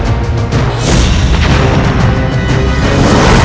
firasat buruk yang aku rasakan